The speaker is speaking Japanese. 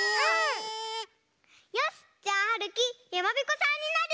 よしじゃあはるきやまびこさんになる！